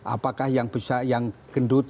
apakah yang besar yang gendut